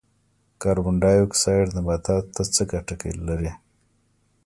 کاربن ډای اکسایډ نباتاتو ته څه ګټه لري؟